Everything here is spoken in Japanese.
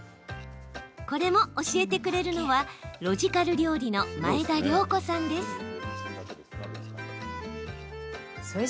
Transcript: これも、教えてくれるのはロジカル料理の前田量子さんです。